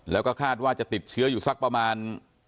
แล้วก็คาดว่าจะติดเชื้ออยู่สักประมาณ